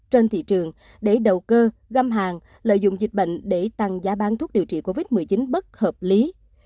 trên thị trường để đầu cơ găm hàng lợi dụng dịch bệnh để tăng giá bán thuốc điều trị covid một mươi chín bất hợp lý